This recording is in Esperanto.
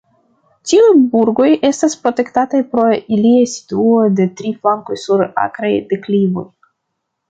Tiuj burgoj estas protektataj pro ilia situo de tri flankoj sur akraj deklivoj.